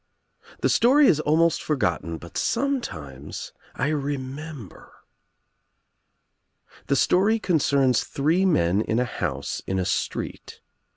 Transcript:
The story is almost forgotten but sometimes I re member. The story concerns three men in a house in a street.